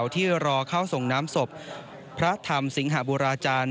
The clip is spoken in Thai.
ที่รอเข้าส่งน้ำศพพระธรรมสิงหบุราจารย์